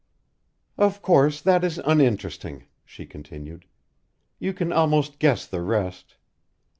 "Of course, that is uninteresting," she continued. "You can almost guess the rest.